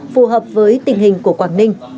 phù hợp với tình hình của quảng ninh